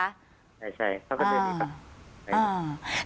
ใช่ใช่เขาก็เชื่อนี่ค่ะ